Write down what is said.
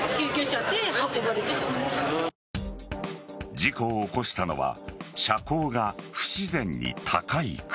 事故を起こしたのは車高が不自然に高い車。